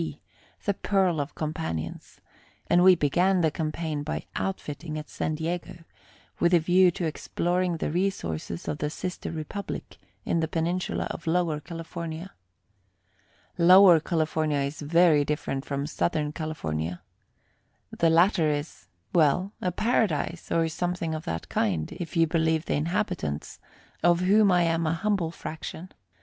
B., the pearl of companions, and we began the campaign by outfitting at San Diego, with a view to exploring the resources of the sister republic in the peninsula of Lower California. Lower California is very different from Southern California. The latter is well, a paradise, or something of that kind, if you believe the inhabitants, of whom I am an humble fraction.